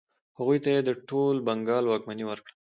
هغوی ته یې د ټول بنګال واکمني ورکړه.